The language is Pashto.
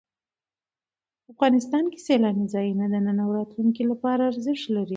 افغانستان کې سیلانی ځایونه د نن او راتلونکي لپاره ارزښت لري.